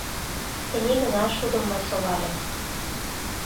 Тений гына шудым мый солальым